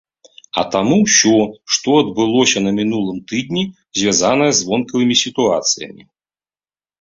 А таму ўсё, што адбылося на мінулым тыдні, звязанае з вонкавымі сітуацыямі.